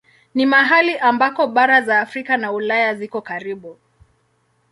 Ni mahali ambako bara za Afrika na Ulaya ziko karibu.